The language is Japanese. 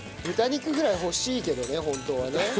豚肉ぐらい欲しいけどねホントはね。